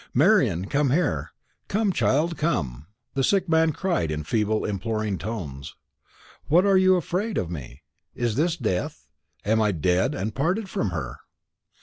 "Marian, come here. Come, child, come," the sick man cried in feeble imploring tones. "What, are you afraid of me? Is this death? Am I dead, and parted from her?